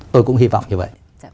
tôi cũng hy vọng như vậy